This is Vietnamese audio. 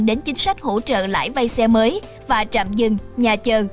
để hỗ trợ lãi vay xe mới và trạm dừng nhà chờ